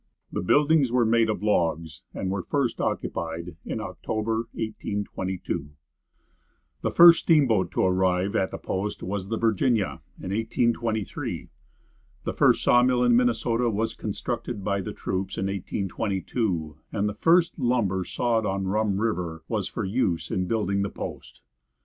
The buildings were made of logs, and were first occupied in October, 1822. The first steamboat to arrive at the post was the "Virginia," in 1823. The first saw mill in Minnesota was constructed by the troops in 1822, and the first lumber sawed on Rum river was for use in building the post.